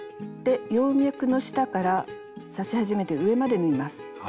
葉脈の下から刺し始めて上まで縫います。